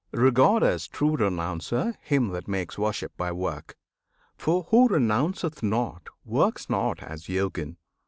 Regard as true Renouncer him that makes Worship by work, for who renounceth not Works not as Yogin.